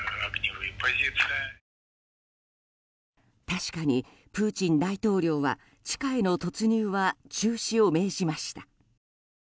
確かにプーチン大統領は地下への突入は中止を命じました。